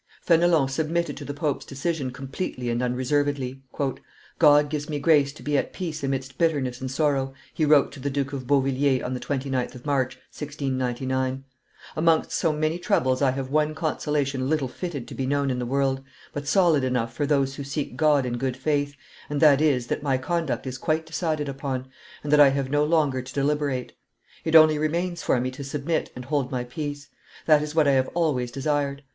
Fenelon submitted to the pope's decision completely and unreservedly. "God gives me grace to be at peace amidst bitterness and sorrow," he wrote to the Duke of Beauvilliers on the 29th of March, 1699. "Amongst so many troubles I have one consolation little fitted to be known in the world, but solid enough for those who seek God in good faith, and that is, that my conduct is quite decided upon, and that I have no longer to deliberate. It only remains for me to submit and hold my peace; that is what I have always desired.